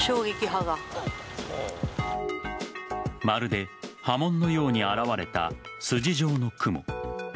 まるで波紋のように現れた筋状の雲。